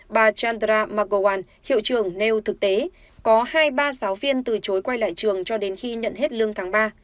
bà chandra magowan hiệu trưởng neo thực tế có hai ba giáo viên từ chối quay lại trường cho đến khi nhận hết lương tháng ba